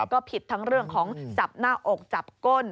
ก็ผิดทั้งเรื่องของจับหน้าอกจับก้น